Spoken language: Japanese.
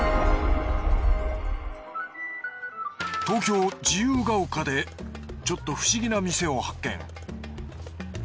東京・自由が丘でちょっと不思議な店を発見。